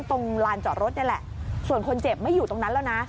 ตรงลานจอดรถนี่แหละส่วนคนเจ็บไม่อยู่ตรงนั้นแล้วนะ